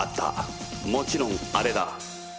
もちろんあれだ。